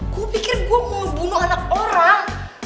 gue pikir gue mau bunuh anak orang